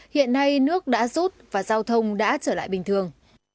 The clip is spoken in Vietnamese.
hiện nay nước đã rút và giao thông đã trở lại bình thường